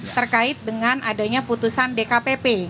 terkait dengan adanya putusan dkpp